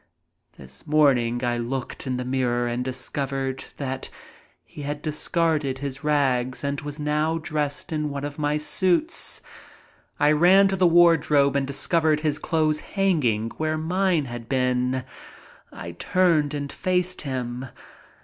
This morning I looked in the mirror and discovered that he had discarded his rags and was now dressed in one of my suits. I ran to the wardrobe and discovered his clothes hanging where mine had been. I turned and faced him.